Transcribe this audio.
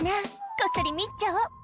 こっそり見ちゃおう」